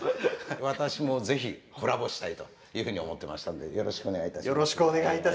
私もぜひコラボしたいと思っていましたのでよろしくお願いします。